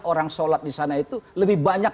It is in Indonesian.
orang sholat di sana itu lebih banyak